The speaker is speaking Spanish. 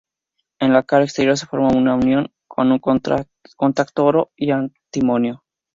En la cara exterior se forma una unión, con un contacto oro-antimonio.